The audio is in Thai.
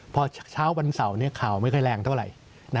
พอเช้าวันเสาร์ข่าวไม่ค่อยแรงเท่าไหร่